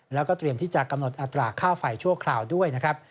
แล้วก็เตรียมที่จะกำหนดอัตราค่าไฟชั่วคราวด้วยนะครับ